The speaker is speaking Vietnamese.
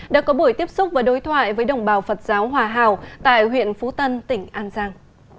đã có buổi tiếp xúc và đối thoại với đồng bào phật giáo hòa hào tại huyện phú tân tỉnh an giang